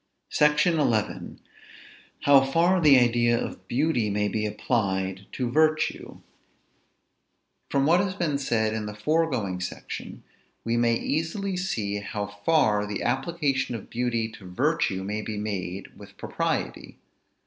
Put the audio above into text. SECTION XI. HOW FAR THE IDEA OF BEAUTY MAY BE APPLIED TO VIRTUE. From what has been said in the foregoing section, we may easily see how far the application of beauty to virtue may be made with propriety.